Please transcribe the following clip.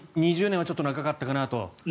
２０年はちょっと長かったかなと。